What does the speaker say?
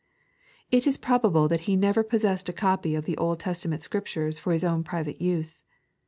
It is probable that He never possessed a copy of the Old Testament Scriptures for His own private use.